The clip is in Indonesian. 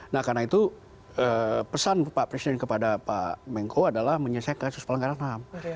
nah karena itu pesan pak presiden kepada pak menko adalah menyelesaikan kasus pelanggaran ham